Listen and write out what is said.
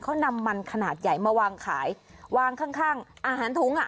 เขานำมันขนาดใหญ่มาวางขายวางข้างข้างอาหารถุงอ่ะ